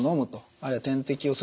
あるいは点滴をする。